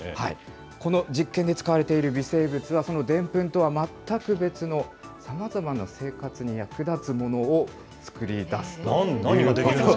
この実験で使われている微生物はそのでんぷんとは全く別のさまざまな生活に役立つものを作り出すという。